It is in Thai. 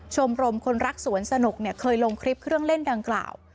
ชมรมคนรักสวนสนุกเคยลงคลิปเครื่องเล่นดังกล่าว